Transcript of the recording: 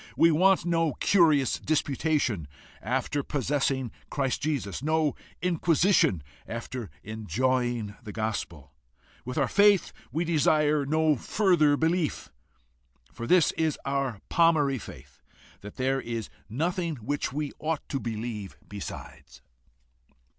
We want no curious disputation after possessing Christ Jesus, no inquisition after enjoying the gospel! With our faith we desire no further belief. For this is our palmary faith, that there is nothing which we ought to believe besides."